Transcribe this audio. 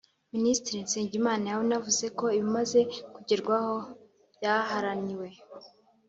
Minisitiri Nsengimana yanavuze ko ibimaze kugerwaho byaharaniwe